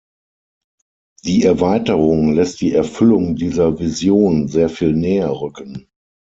Die Erweiterung lässt die Erfüllung dieser Vision sehr viel näher rücken.